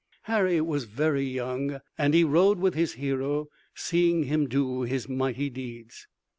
Harry was very young and he rode with his hero, seeing him do his mighty deeds.